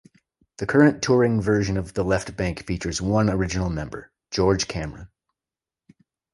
The current touring version of The Left Banke features one original member: George Cameron.